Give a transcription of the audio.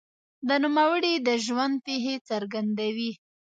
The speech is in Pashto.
د نوموړي د ژوند پېښې څرګندوي.